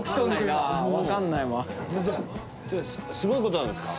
すごいことなんですか？